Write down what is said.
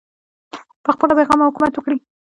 پخپله بې غمه حکومت وکړي